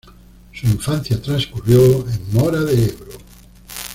Su infancia transcurrió en Mora de Ebro.